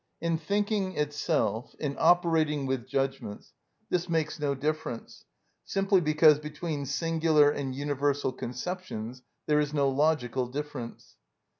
In thinking itself, in operating with judgments, this makes no difference, simply because between singular and universal conceptions there is no logical difference.